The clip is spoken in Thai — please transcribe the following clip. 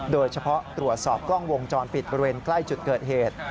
โดยเฉพาะตรวจสอบกล้องวงจรปิดบริเวณใกล้จุดเกิดเหตุ